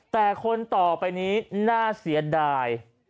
แต่คนต่อไปนี้น่าเสียดาย